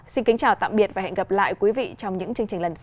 xin kính chào tạm biệt và hẹn gặp lại quý vị trong những chương trình lần sau